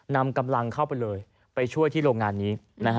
นำกำลังเข้าไปเลยไปช่วยที่โรงงานนี้